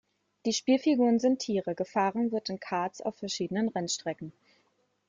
Die Spielfiguren sind Tiere, gefahren wird in Karts auf verschiedenen Rennstrecken.